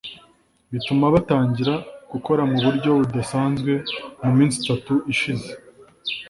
bituma batangira gukora mu buryo budasanzwe mu minsi itatu ishize